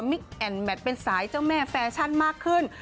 แอนดแมทเป็นสายเจ้าแม่แฟชั่นมากขึ้น